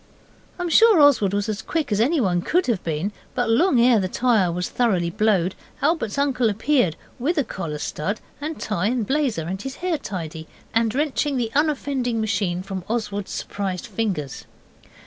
I am sure Oswald was as quick as anyone could have been, but long ere the tyre was thoroughly blowed Albert's uncle appeared, with a collar stud and tie and blazer, and his hair tidy, and wrenching the unoffending machine from Oswald's surprised fingers.